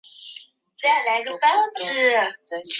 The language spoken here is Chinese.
葡议会因此废黜了其巴西摄政王的职务。